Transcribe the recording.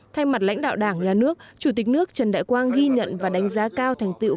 thay mặt lãnh đạo đảng nhà nước chủ tịch nước trần đại quang ghi nhận và đánh giá cao thành tiệu